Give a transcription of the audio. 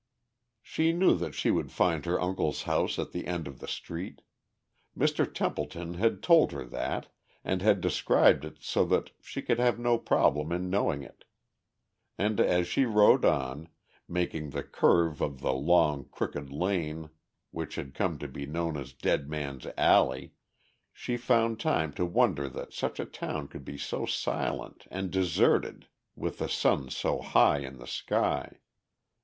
She knew that she would find her uncle's house at the end of the street. Mr. Templeton had told her that, and had described it so that she could have no trouble in knowing it. And as she rode on, making the curve of the long, crooked lane which had come to be known as Dead Man's Alley, she found time to wonder that such a town could be so silent and deserted with the sun so high in the sky.